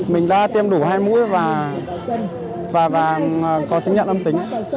mình đã tiêm đủ hai mũi và có chứng nhận âm tính